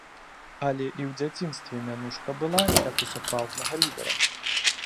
Але і ў дзяцінстве мянушка была, як у сапраўднага лідара.